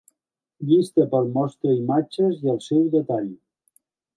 Llista per mostra imatges i el seu detall.